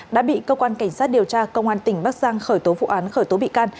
đã bị cơ quan cảnh sát điều tra công an tỉnh bắc giang khởi tố vụ án khởi tố bị can